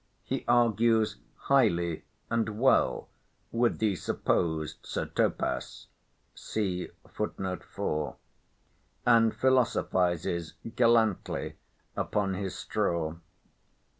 He argues highly and well with the supposed Sir Topas, and philosophises gallantly upon his straw.